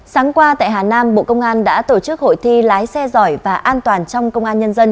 sáng qua tại hà nam bộ công an đã tổ chức hội thi lái xe giỏi và an toàn trong công an nhân dân